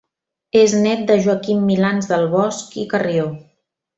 És nét de Joaquim Milans del Bosch i Carrió.